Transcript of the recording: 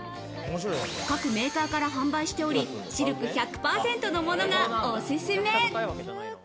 各メーカーから販売しており、シルク１００％のものがおすすめ。